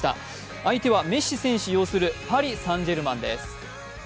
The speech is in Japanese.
相手はメッシ選手擁する、パリ・サン＝ジェルマンです。